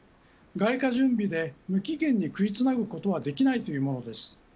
外貨準備で無期限に食いつなぐことはできないというものです。